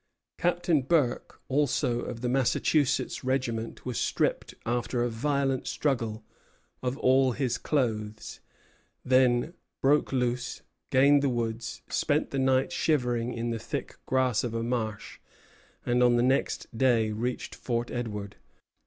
Captain Burke, also of the Massachusetts regiment, was stripped, after a violent struggle, of all his clothes; then broke loose, gained the woods, spent the night shivering in the thick grass of a marsh, and on the next day reached Fort Edward.